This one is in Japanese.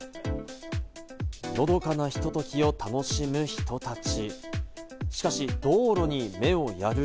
のどかなひとときを楽しむ人たち。